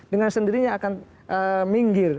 dengan sendirinya akan minggir